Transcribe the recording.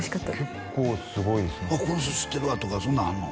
結構すごいっすね「この人知ってるわ」とかそんなんあんの？